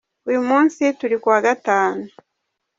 Uyu munsi turi kuwa gatanu.